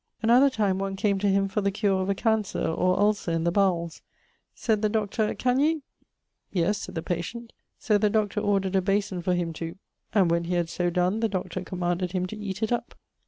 Another time one came to him for the cure of a cancer (or ulcer) in the bowells. Said the Dr., 'can ye ?' 'Yes,' said the patient. So the Dr. ordered a bason for him to , and when he had so donne the Dr. commanded him to eate it up.